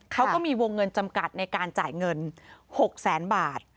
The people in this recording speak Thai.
เขาก็มีวงเงินจำกัดในการจ่ายเงิน๖แสนบาท